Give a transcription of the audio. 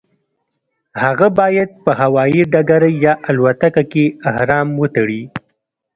هغه باید په هوایي ډګر یا الوتکه کې احرام وتړي.